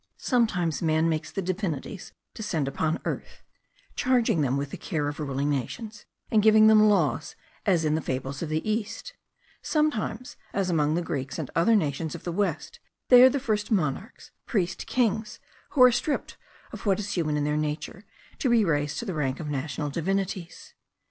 Sometimes man makes the divinities descend upon earth, charging them with the care of ruling nations, and giving them laws, as in the fables of the East; sometimes, as among the Greeks and other nations of the West, they are the first monarchs, priest kings, who are stripped of what is human in their nature, to be raised to the rank of national divinities.